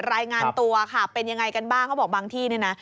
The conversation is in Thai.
รายงานตัวค่ะเป็นยังไงกันบ้างเขาบอกบางที่เนี่ยนะ